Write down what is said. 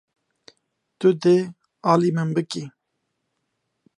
Tu dê alî min bikî.